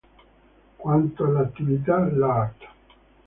Quanto alle attività, l'art.